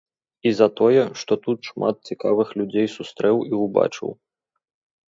І за тое, што тут шмат цікавых людзей сустрэў і ўбачыў.